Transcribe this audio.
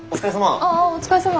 ああお疲れさま。